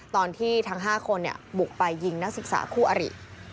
ตอนที่ทั้ง๕คนบุกไปยิงนักศึกษาคู่อริ